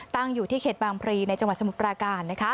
ตั้งอยู่ที่เขตบางพรีในจังหวัดสมุทรปราการ